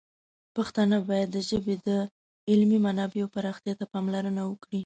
پښتانه باید د ژبې د علمي منابعو پراختیا ته پاملرنه وکړي.